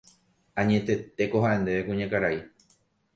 Añetetéko ha'e ndéve kuñakarai